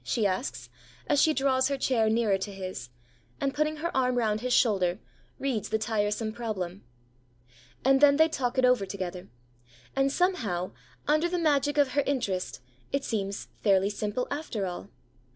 she asks, as she draws her chair nearer to his, and, putting her arm round his shoulder, reads the tiresome problem. And then they talk it over together. And, somehow, under the magic of her interest, it seems fairly simple after all.